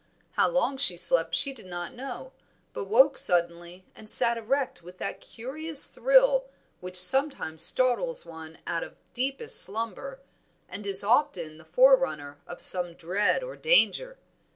How long she slept she did not know, but woke suddenly and sat erect with that curious thrill which sometimes startles one out of deepest slumber, and is often the forerunner of some dread or danger.